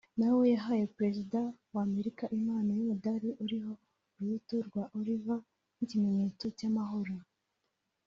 na we yahaye Perezida wa Amerika impano y’umudali uriho urubuto rwa Olive nk’ikimenyetso cy’amahoro